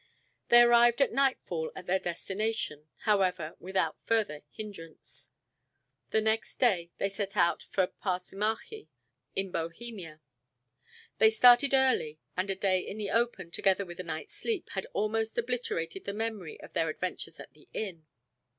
They arrived at nightfall at their destination, however, without further hindrance. The next day they set out for Parsemachi, in Bohemia. They started early, and a day in the open, together with a night's sleep, had almost obliterated the memory of their adventure at the inn.